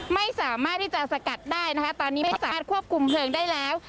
ไม่สามารถที่จะสกัดได้นะคะตอนนี้ไม่สามารถควบคุมเพลิงได้แล้ว